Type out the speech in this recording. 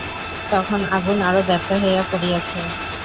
তখন আগুন আরাে ব্যাপ্ত হইয়া পড়িয়াছে।